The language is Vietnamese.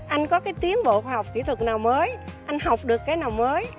anh có cái tiến bộ khoa học kỹ thuật nào mới anh học được cái nào mới